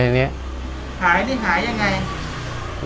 หายนี่หายยังไง